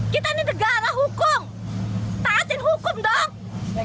kita ini negara hukum taatin hukum dong